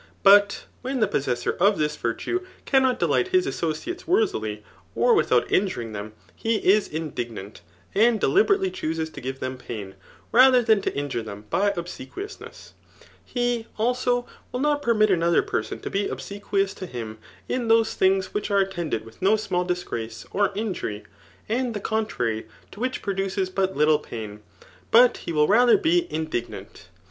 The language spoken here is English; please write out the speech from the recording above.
But when the possessor of this virtue cannot delight his associates worthily, or without injuring them, he is indignant, and deliberately chooses to give them pain, [rather than to injure them by obsequious ness*^ He, also, will not permit another person to be disequious to him in those things which are attended with no small disgrace,, or injury, and the contrary to which produces but little pain ; but he will rather be in dignant.